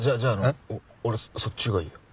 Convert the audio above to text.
そっちがいいや。